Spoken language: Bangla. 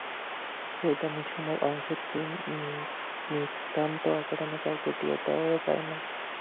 সেই দামী সময়ের অংশ নিতান্ত অকারণে কাউকে দিয়ে দেওয়া যায় না।